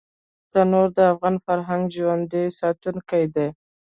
تنور د افغان فرهنګ ژوندي ساتونکی دی